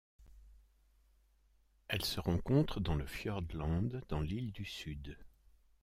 Elle se rencontre dans le Fiordland dans l'île du Sud.